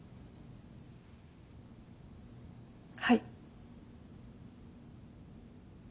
はい。